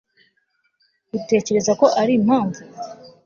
utekereza ko arimpamvu